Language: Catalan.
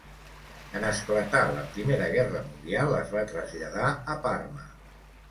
En esclatar la Primera Guerra Mundial es va traslladar a Parma.